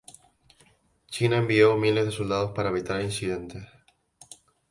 China envió miles de soldados para evitar incidentes.